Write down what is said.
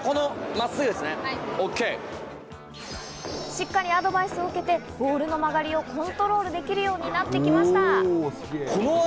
しっかりアドバイスを受けて、ボールの曲がりをコントロールできるようになってきました。